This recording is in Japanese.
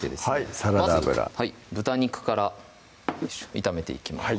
サラダ油豚肉から炒めていきます